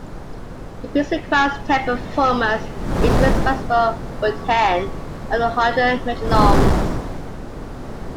The piece requires ten "performers", each responsible for ten of the hundred metronomes.